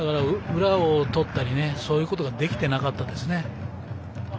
裏を取ったりそういうことができていなかったですね。